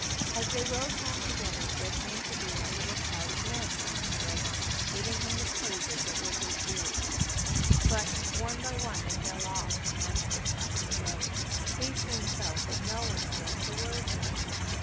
As they rode home together there came to be a little crowd of men round Thoroughbung, giving him the praises that were his due. But one by one they fell off from Annesley's side of the road. He soon felt that no one addressed a word to him.